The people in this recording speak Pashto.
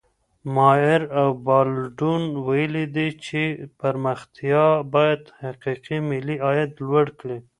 مائر او بالډون ويلي دي چي پرمختيا بايد حقيقي ملي عايد لوړ کړي.